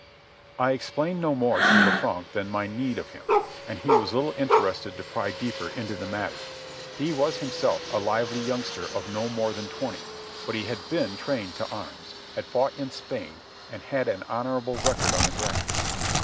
I explained no more to Lanfranc than my need of him, and he was little interested to pry deeper into the matter. He was himself a lively youngster of no more than twenty, but he had been trained to arms, had fought in Spain, and had an honourable record on the grass.